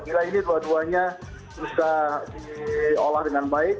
bila ini dua duanya bisa diolah dengan baik